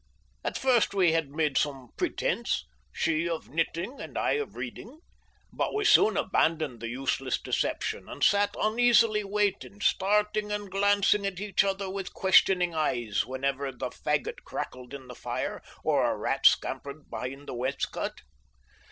At first we had made some pretence she of knitting and I of reading but we soon abandoned the useless deception, and sat uneasily waiting, starting and glancing at each other with questioning eyes whenever the faggot crackled in the fire or a rat scampered behind the wainscot.